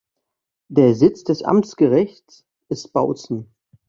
Der Sitz des Amtsgerichts ist Bautzen.